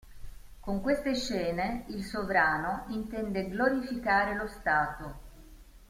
Con queste scene il sovrano intende glorificare lo Stato.